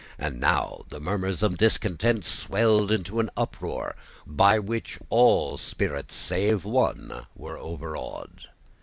And now the murmurs of discontent swelled into an uproar by which all spirits save one were overawed.